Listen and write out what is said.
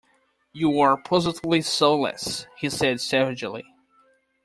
You are positively soulless, he said savagely.